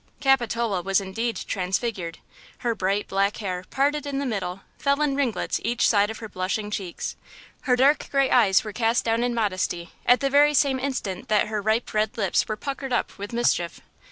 Capitola was indeed transfigured. Her bright black hair, parted in the middle, fell in ringlets each side her blushing cheeks; her dark gray eyes were cast down in modesty at the very same instant that her ripe red lips were puckered up with mischief.